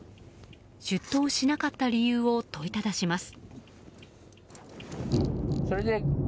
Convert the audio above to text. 出頭しなかった理由を問いただします。